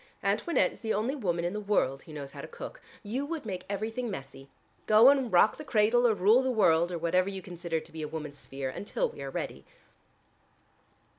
Antoinette is the only woman in the world who knows how to cook. You would make everything messy. Go and rock the cradle or rule the world, or whatever you consider to be a woman's sphere, until we are ready."